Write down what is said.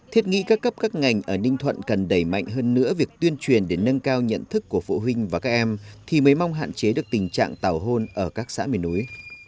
thiết nghĩ các cấp các ngành ở ninh thuận cần đẩy mạnh hơn nữa việc tuyên truyền để nâng cao nhận thức của phụ huynh và các em thì mới mong hạn chế được tình trạng tàu hôn ở các xã miền núi